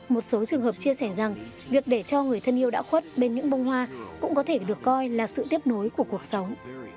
một số trường hợp chia sẻ rằng việc để cho người thân yêu đã khuất bên những bông hoa cũng có thể được coi là sự tiếp nối của cuộc sống